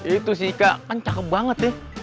itu si ika kan cakep banget ya